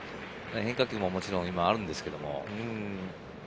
変化球ももちろんあるんですけども。